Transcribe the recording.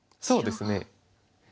そうですね。